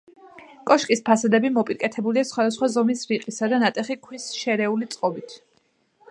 კოშკის ფასადები მოპირკეთებულია სხვადასხვა ზომის რიყისა და ნატეხი ქვის შერეული წყობით.